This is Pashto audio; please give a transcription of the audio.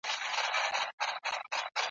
محتسب په سترګو ړوند وي په غضب یې ګرفتار کې ..